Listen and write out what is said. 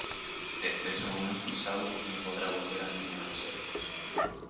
Desde ese momento, Sauron no podrá volver a engañar a los elfos.